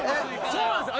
そうなんですよ